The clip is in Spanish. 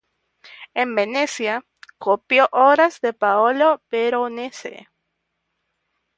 En Venecia, copió obras de Paolo Veronese.